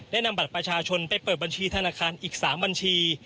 นำบัตรประชาชนไปเปิดบัญชีธนาคารอีก๓บัญชี